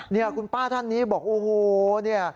เนี่ยคุณป้าท่านนี้บอกโอ้โหเนี่ย